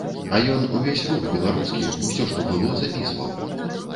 А ён увесь рух беларускі, усё, што было, запісваў.